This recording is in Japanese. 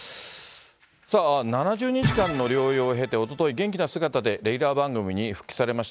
さあ、７０日間の療養を経ておととい元気な姿でレギュラー番組に復帰されました